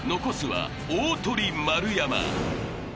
［残すは大トリ丸山］